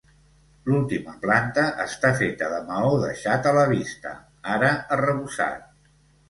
L'última planta està feta de maó deixat a la vista, ara arrebossat.